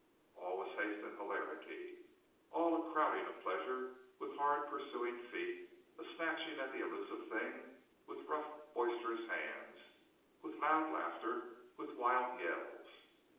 All was haste and hilarity, all a crowding of pleasure with hard pursuing feet, a snatching at the elusive thing with rough boisterous hands, with loud laughter, with wild yells.